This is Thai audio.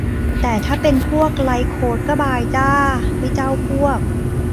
แต่ถ้าเป็นพวกไลฟ์โค้ชก็บายจ้า ไม่เจ้าพวก